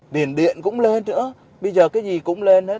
điện điện cũng lên nữa bây giờ cái gì cũng lên hết